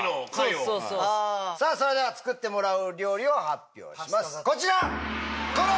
さぁそれでは作ってもらう料理を発表しますこちら！